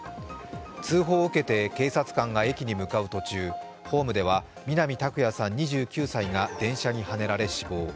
通報を受けて警察官が駅に向かう途中、ホームでは、南拓哉さん２９歳が電車にはねられ、死亡。